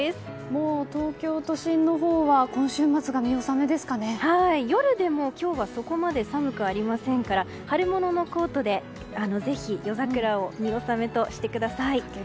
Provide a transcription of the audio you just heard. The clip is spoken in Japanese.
もう東京都心のほうは今週末が夜でも今日はそこまで寒くありませんから春物のコートでぜひ夜桜を見納めとしてください。